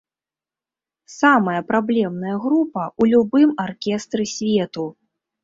Самая праблемная група ў любым аркестры свету.